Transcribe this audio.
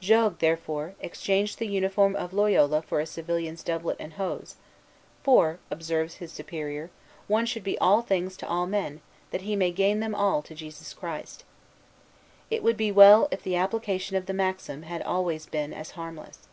Jogues, therefore, exchanged the uniform of Loyola for a civilian's doublet and hose; "for," observes his Superior, "one should be all things to all men, that he may gain them all to Jesus Christ." It would be well, if the application of the maxim had always been as harmless.